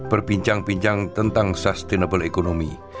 berbincang bincang tentang sustainable economy